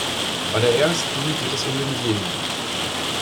Bei der ersten geht es um den Jemen.